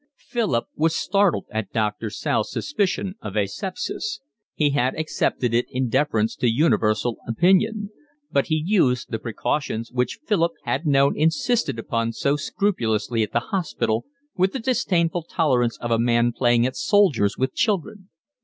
Philip was startled at Doctor South's suspicion of asepsis; he had accepted it in deference to universal opinion; but he used the precautions which Philip had known insisted upon so scrupulously at the hospital with the disdainful tolerance of a man playing at soldiers with children.